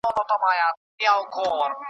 خو بدرنګه وو دا یو عیب یې په کور وو .